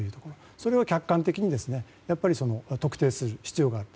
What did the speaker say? それを客観的に特定する必要がある。